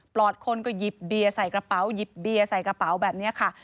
อดคนก็หยิบเบียร์ใส่กระเป๋าหยิบเบียร์ใส่กระเป๋าแบบนี้ค่ะ